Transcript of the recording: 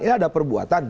ini ada perbuatan